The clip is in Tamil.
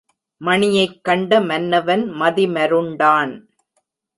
மணியைக் கண்ட மன்னவன் மதி மருண்டான்.